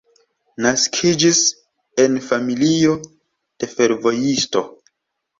Naskiĝis en familio de fervojisto.